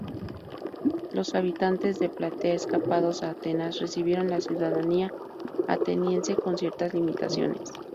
Los habitantes de Platea escapados a Atenas recibieron la ciudadanía ateniense con ciertas limitaciones.